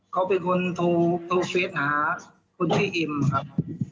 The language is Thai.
เขาเป็นคนโทรเฟสนะครับคุณพี่เอ็มครับ